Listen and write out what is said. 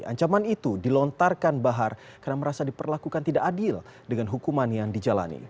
ancaman itu dilontarkan bahar karena merasa diperlakukan tidak adil dengan hukuman yang dijalani